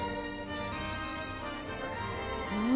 うん。